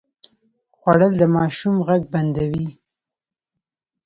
خوړل د ماشوم غږ بندوي